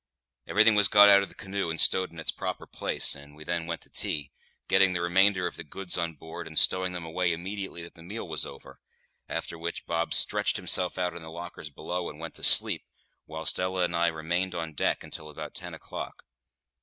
Everything was got out of the canoe and stowed in its proper place, and we then went to tea, getting the remainder of the goods on board and stowing them away immediately that the meal was over; after which Bob stretched himself out on the lockers below, and went to sleep, whilst Ella and I remained on deck until about ten o'clock.